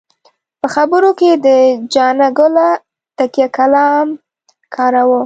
په خبرو کې یې د جانه ګله تکیه کلام کاراوه.